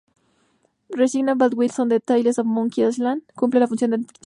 Reginald Van Winslow de "Tales of Monkey Island" cumple la función de anfitrión.